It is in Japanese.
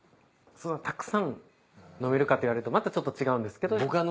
たくさん飲めるかっていわれるとまたちょっと違うんですけど。